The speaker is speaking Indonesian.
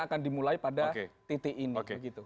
akan dimulai pada titik ini